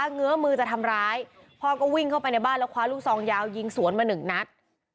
เงื้อมือจะทำร้ายพ่อก็วิ่งเข้าไปในบ้านแล้วคว้าลูกซองยาวยิงสวนมาหนึ่งนัด